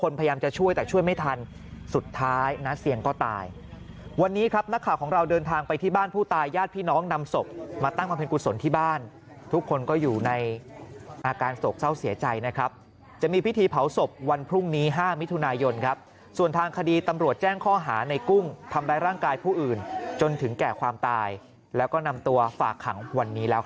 น้าเซียงก็ตายวันนี้ครับนักข่าวของเราเดินทางไปที่บ้านผู้ตายญาติพี่น้องนำศพมาตั้งมาเป็นกุศลที่บ้านทุกคนก็อยู่ในอาการศพเศร้าเสียใจนะครับจะมีพิธีเผาศพวันพรุ่งนี้ห้ามิถุนายนครับส่วนทางคดีตำรวจแจ้งข้อหาในกุ้งทำได้ร่างกายผู้อื่นจนถึงแก่ความตายแล้วก็นำตัวฝากขังว